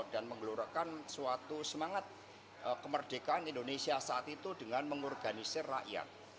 dan mengelurakan suatu semangat kemerdekaan indonesia saat itu dengan mengorganisir rakyat